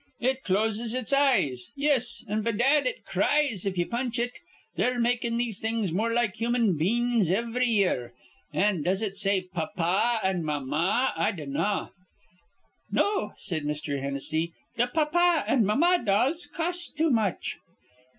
"It closes its eyes, yis, an', bedad, it cries if ye punch it. They're makin' these things more like human bein's ivry year. An' does it say pap pah an' mam mah, I dinnaw?" "No," said Mr. Hennessy, "th' pap pah an' mam mah dolls costs too much."